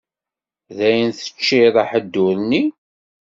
Dayen teččiḍ aḥeddur-nni?